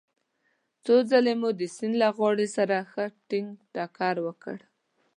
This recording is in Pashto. څو ځلې مو د سیند له غاړې سره ښه ټينګ ټکر وکړ.